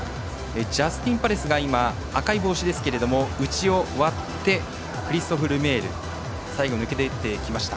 ジャスティンパレスが赤い帽子ですけども、内を割ってクリストフ・ルメール最後抜けていっていきました。